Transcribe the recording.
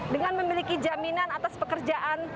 dengan memiliki jaminan atas pekerjaan